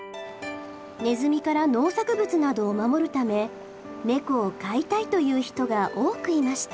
ネズミから農作物などを守るため猫を飼いたいという人が多くいました。